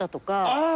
ああ！